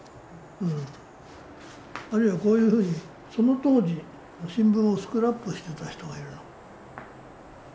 あるいはこういうふうにその当時新聞をスクラップしてた人がいるの。